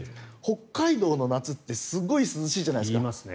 北海道の夏ってすごい涼しいじゃないですか。